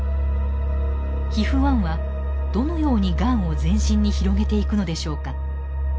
ＨＩＦ−１はどのようにがんを全身に広げていくのでしょうか。